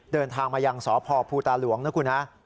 เดินทางมายังสพภูตาหลวงนะคุณฮะ